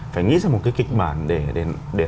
phải nghĩ ra một cái kịch bản để